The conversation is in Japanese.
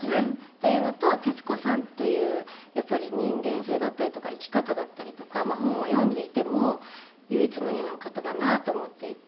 というのと徹子さんというやっぱり人間性だったりとか生き方だったりとかまあ本を読んでいても唯一無二の方だなと思っていて。